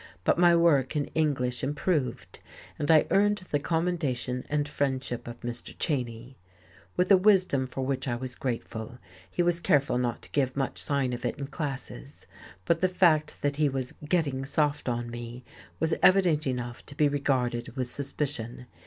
But my work in English improved, and I earned the commendation and friendship of Mr. Cheyne. With a wisdom for which I was grateful he was careful not to give much sign of it in classes, but the fact that he was "getting soft on me" was evident enough to be regarded with suspicion.